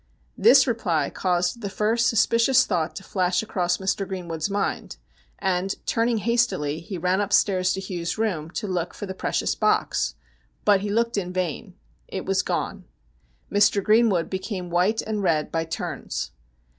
This reply caused the first suspicious thought to flash across Mr. Greenwood's mind, and, turning hastily, he ran upstairs to Hugh's room to look for the precious box, but he looked in vain. It was gone. Mr. Greenwood became white and red by turns.